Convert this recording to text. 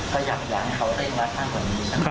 ก็ยังอยากให้เขาเล่นได้ท่านกว่านี้ใช่ไหมครับ